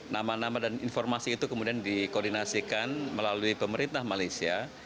nama nama dan informasi itu kemudian dikoordinasikan melalui pemerintah malaysia